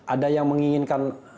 ada yang menginginkan